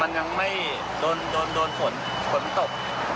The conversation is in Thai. มันยังไม่โดนดนสนศวนนี่ตก